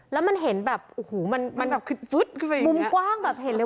แล้วมันเห็นแบบมันมุมกว้างแบบเห็นเลย